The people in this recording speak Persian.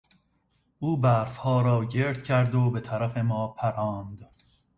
او برفها را گرد کرد و به طرف ما پراند.